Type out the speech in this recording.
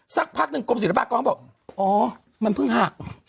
สักพักหนึ่งกรมศิลปากรบอกอ๋อมันเพิ่งหัก